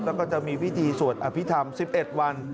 แล้วก็จะมีพิธีสวดอภิษฐรรม๑๑วัน